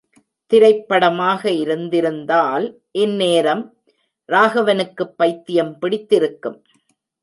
திரைப்படமாக இருந்திருந்தால் இங்நேரம் ராகவனுக்குப் பைத்தியம் பிடித்திருக்கும்!